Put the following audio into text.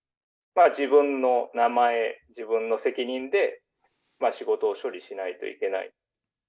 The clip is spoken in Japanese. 自分の名前、自分の責任で仕事を処理しないといけない。